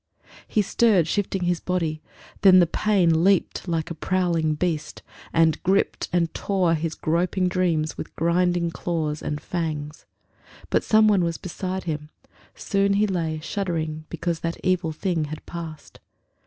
He stirred, shifting his body; then the pain Leaped like a prowling beast, and gripped and tore His groping dreams with grinding claws and fangs. But some one was beside him; soon he lay Shuddering because that evil thing had passed.